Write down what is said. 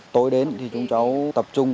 tối đến thì chúng cháu tập trung